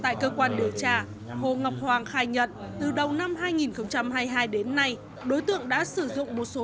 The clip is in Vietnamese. tại cơ quan điều tra hồ ngọc hoàng khai nhận từ đầu năm hai nghìn hai mươi hai đến nay đối tượng đã sử dụng một số